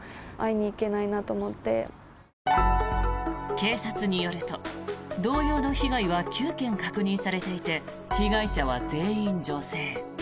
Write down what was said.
警察によると同様の被害は９件確認されていて被害者は全員女性。